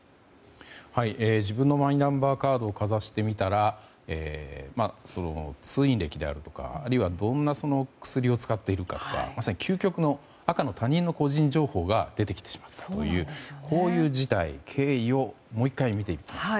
自分のマイナンバーカードをかざしてみたら通院歴であるとかどんな薬を使っているかとかまさに究極の赤の他人の個人情報が出てきてしまったという事態、経緯をもう１回見ていきます。